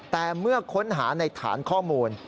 แต่เมื่อค้นหาในฐานข้อมูล